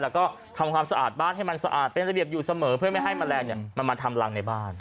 แล้วก็ทำความสะอาดบ้านให้มันสะอาดเป็นระเบียบอยู่เสมอเพื่อไม่ให้แมลงมันมาทำรังในบ้าน